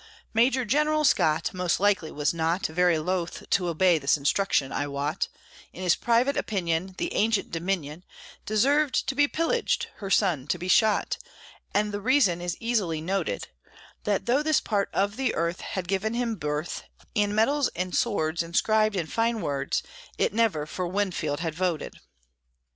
Major General Scott Most likely was not Very loth to obey this instruction, I wot; In his private opinion The Ancient Dominion Deserved to be pillaged, her sons to be shot, And the reason is easily noted; Though this part of the earth Had given him birth, And medals and swords, Inscribed in fine words, It never for Winfield had voted.